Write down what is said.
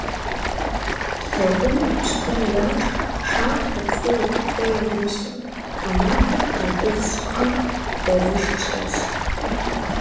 Лэкъумыр пщтыру яшх, шатэ, фо, кхъуей и гъусэу. Гъэмахуэм хъарбыз щӏыӏэм дэзышх щыӏэщ.